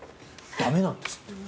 駄目なんですって。